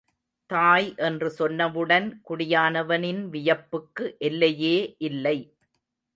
தாய் என்று சொன்னவுடன் குடியானவனின் வியப்புக்கு எல்லையே இல்லை.